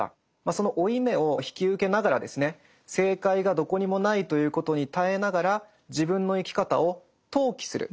その負い目を引き受けながらですね正解がどこにもないということに耐えながら自分の生き方を投企する。